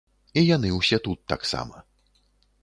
І яны ўсе тут таксама.